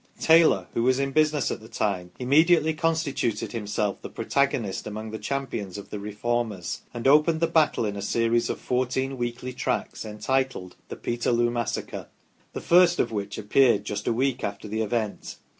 Taylor, who was in business at the time, immediately con stituted himself the protagonist among the champions of the " Re formers," and opened the battle in a series of fourteen weekly tracts entitled " The Peterloo Massacre," the first of which appeared just a week after the^event.